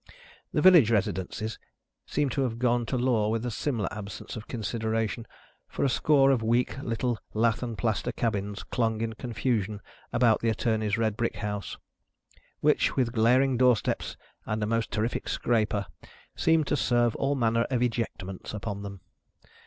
The village residences seemed to have gone to law with a similar absence of consideration, for a score of weak little lath and plaster cabins clung in confusion about the Attorney's red brick house, which, with glaring door steps and a most terrific scraper, seemed to serve all manner of ejectments upon them.